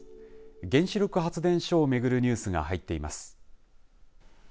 原子力発電所を巡るニュースが入っています。